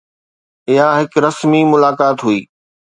اها هڪ رسمي ملاقات هئي.